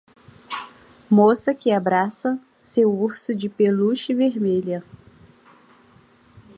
Moça que abraça seu urso de peluche vermelho.